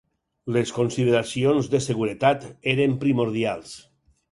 Les consideracions de seguretat eren primordials.